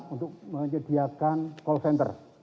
untuk menyediakan call center